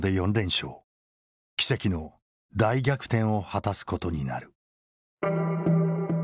奇跡の大逆転を果たすことになる。